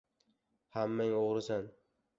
Hammang o‘g‘risan!